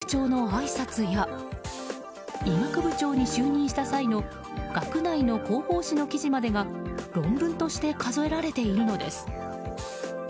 更に驚きなのが会合に出席した際の朔学長のあいさつや医学部長に就任した際の学内の広報誌の記事までが論文として数えられているのです。